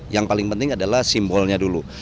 yang paling penting adalah simbolnya dulu